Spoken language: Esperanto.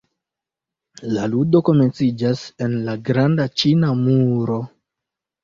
La ludo komenciĝas en la Granda Ĉina Muro.